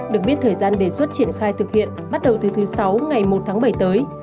được biết thời gian đề xuất triển khai thực hiện bắt đầu từ thứ sáu ngày một tháng bảy tới